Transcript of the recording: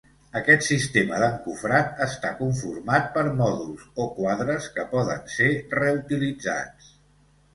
Aquest sistema d'encofrat està conformat per mòduls, o quadres, que poden ser reutilitzats.